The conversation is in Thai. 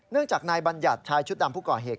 จากนายบัญญัติชายชุดดำผู้ก่อเหตุ